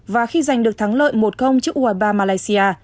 và khi giành được thắng lợi một trước u hai mươi ba malaysia